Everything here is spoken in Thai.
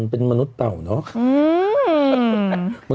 เป็นสวยเนาะ